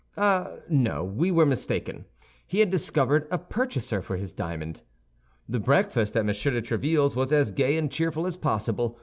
Ah! no, we were mistaken; he had discovered a purchaser for his diamond. The breakfast at M. de Tréville's was as gay and cheerful as possible.